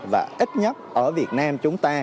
và ít nhất ở việt nam chúng ta